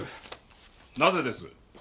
なぜです？